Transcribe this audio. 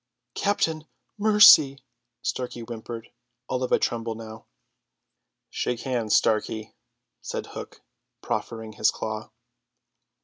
"Captain, mercy!" Starkey whimpered, all of a tremble now. "Shake hands, Starkey," said Hook, proffering his claw.